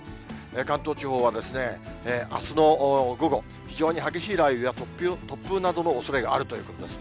関東地方はあすの午後、非常に激しい雷雨や突風などのおそれがあるということです。